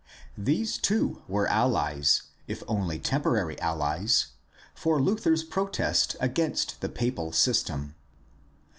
These too were allies, if only temporary allies, for Luther's protest against the papal system.